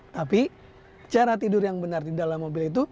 tapi cara tidur yang benar di dalam mobil